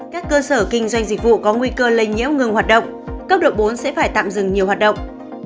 các cơ sở kinh doanh dịch vụ có nguy cơ lây nhiễm ngừng hoạt động cấp độ bốn sẽ phải tạm dừng nhiều hoạt động